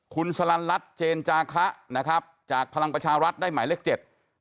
คุณสลันรัฐเจนจาคะนะครับจากพลังประชารัฐได้หมายเลขเจ็ด